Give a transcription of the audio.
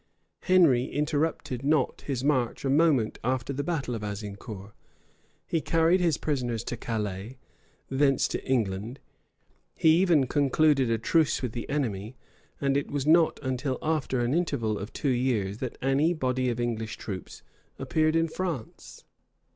Henry interrupted not his march a moment after the battle of Azincour; he carried his prisoners to Calais, thence to England; he even concluded a truce with the enemy; and it was not till after an interval of two years that any body of English troops appeared in France.